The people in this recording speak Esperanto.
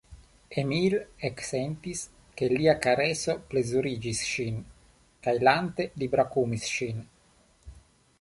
Emil eksentis, ke lia kareso plezurigis ŝin kaj lante li brakumis ŝin.